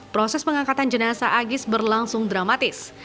proses pengangkatan jenazah agis berlangsung dramatis